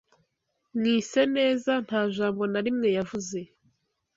Mwiseneza nta jambo na rimwe yavuze.